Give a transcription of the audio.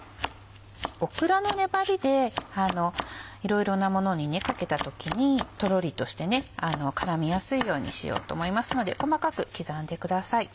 オクラの粘りでいろいろなものにかけた時にとろりとして絡みやすいようにしようと思いますので細かく刻んでください。